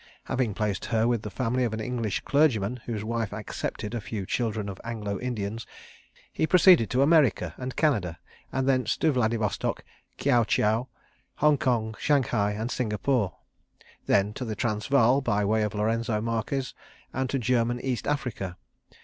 Having placed her with the family of an English clergyman whose wife "accepted" a few children of Anglo Indians, he proceeded to America and Canada, and thence to Vladivostok, Kïaou Chiaou, Hong Kong, Shanghai, and Singapore; then to the Transvaal by way of Lourenzo Marques and to German East Africa.